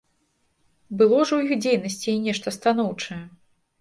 Было ж у іх дзейнасці і нешта станоўчае.